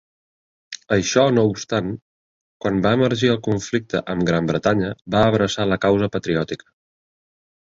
Això no obstant, quan va emergir el conflicte amb Gran Bretanya, va abraçar la causa patriòtica.